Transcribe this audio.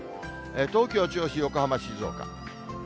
東京、銚子、横浜、静岡。